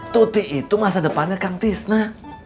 tutik itu masa depannya kang tisna